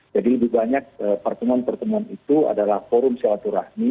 jadi lebih banyak pertemuan pertemuan itu adalah forum silaturahmi